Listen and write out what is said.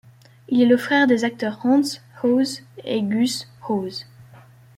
Il est le frère des acteurs Hans Hoes et Guus Hoes.